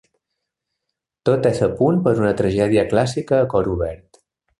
Tot és a punt per a una tragèdia clàssica a cor obert.